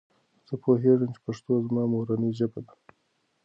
زه پوهیږم چې پښتو زما مورنۍ ژبه ده.